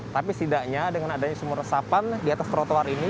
tapi setidaknya dengan adanya sumur resapan di atas trotoar ini